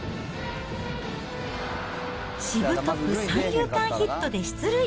しぶとく三遊間ヒットで出塁。